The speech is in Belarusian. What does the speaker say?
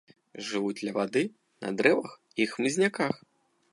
Жывуць ля вады, на дрэвах і хмызняках.